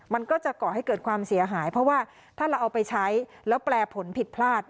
มันก็จะก่อให้เกิดความเสียหายเพราะว่าถ้าเราเอาไปใช้แล้วแปลผลผิดพลาด